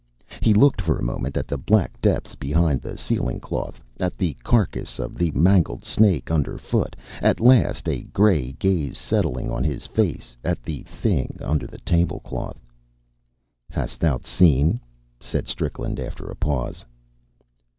He looked for a moment at the black depths behind the ceiling cloth, at the carcass of the mangled snake under foot, and last, a grey glaze setting on his face, at the thing under the table cloth. "Hast thou seen?" said Strickland, after a pause.